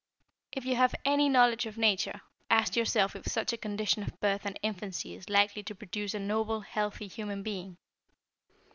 "If you have any knowledge of nature, ask yourself if such a condition of birth and infancy is likely to produce a noble, healthy human being?